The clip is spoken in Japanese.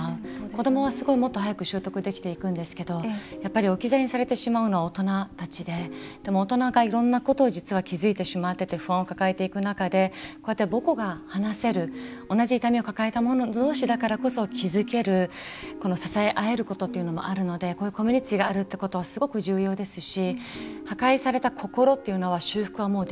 子どもはすごいもっと早く習得できていくんですけどやっぱり置き去りにされてしまうのは大人たちででも大人がいろんなことを実は気付いてしまってて不安を抱えていく中でこうやって母語が話せる同じ痛みを抱えたもの同士だからこそ気付ける支え合えることっていうのもあるのでこういうコミュニティーがあるってことはすごく重要ですし破壊された心っていうのは修復はもうできない。